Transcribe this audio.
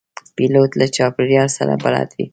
پیلوټ له چاپېریال سره بلد وي.